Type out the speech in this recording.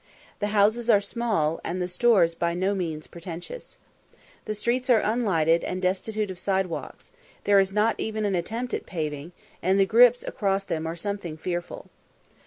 The houses are small, and the stores by no means pretentious. The streets are unlighted, and destitute of side walks; there is not an attempt at paving, and the grips across them are something fearful.